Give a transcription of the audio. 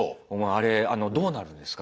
「あれどうなるんですか？」